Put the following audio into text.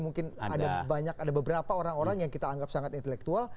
mungkin ada beberapa orang orang yang kita anggap sangat intelektual